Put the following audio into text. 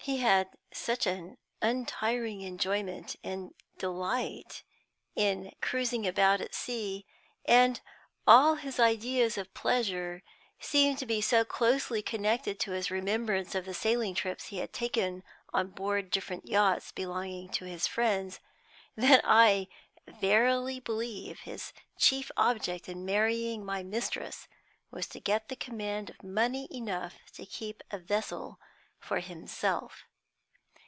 He had such an untiring enjoyment and delight in cruising about at sea, and all his ideas of pleasure seemed to be so closely connected with his remembrance of the sailing trips he had taken on board different yachts belonging to his friends, that I verily believe his chief object in marrying my mistress was to get the command of money enough to keep a vessel for himself.